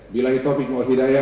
bila itu apik mwah hidayah